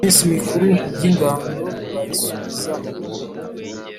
Iminsi mikuru y'ingando bayisubizaho